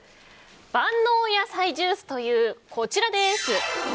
万能野菜ジュースというこちらです。